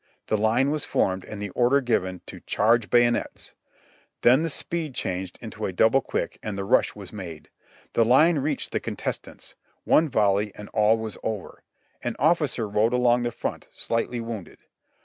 The line was formed, and the order given to "Charge bayonets !" Then the speed changed into a double quick and the rush was made. The line reached the contestants ; one volley, and all was over ! An officer rode along the front, slightly wounded.